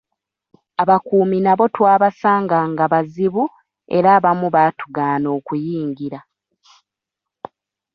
Abakuumi nabo twabasanga nga bazibu era abamu baatugaana okuyingira.